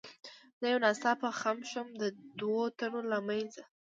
زه یو ناڅاپه خم شوم، د دوو تنو له منځه.